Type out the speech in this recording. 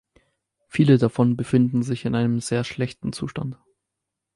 Viele davon befinden sich in einem sehr schlechten Zustand.